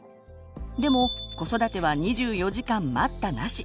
でも子育ては２４時間待ったなし。